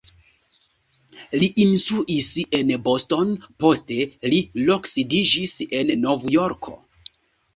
Li instruis en Boston, poste li loksidiĝis en Novjorko.